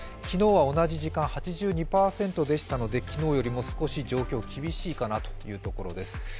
昨日は同じ時間、８２％でしたので昨日よりも少し状況厳しいかなというところです。